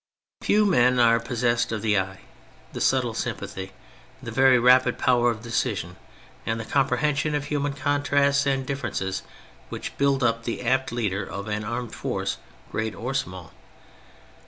Few men are possessed of the eye, the ^subtle sympathy, the very rapid power of decision, and the comprehension of human contrasts and differences which build up the apt leader of an armed force great or small.